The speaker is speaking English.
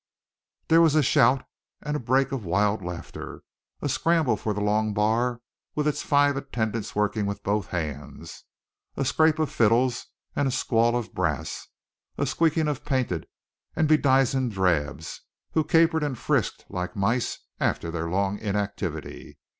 There was a shout and a break of wild laughter, a scramble for the long bar with its five attendants working with both hands; a scrape of fiddles and a squall of brass; a squeaking of painted and bedizened drabs, who capered and frisked like mice after their long inactivity.